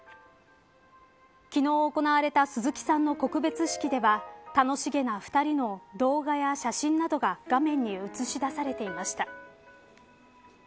昨日行われた鈴木さんの告別式では楽しげな２人の動画や写真などが画面に映し出されていました。